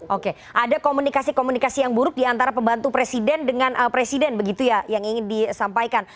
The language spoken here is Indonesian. oke ada komunikasi komunikasi yang buruk diantara pembantu presiden dengan presiden begitu ya yang ingin disampaikan